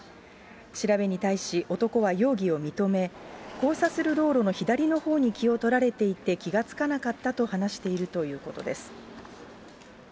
調べに対し、男は容疑を認め、交差する道路の左のほうに気を取られていて、気が付かなかったと話しているということです。